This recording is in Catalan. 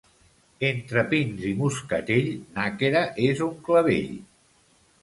Entre pins i moscatell, Nàquera és un clavell.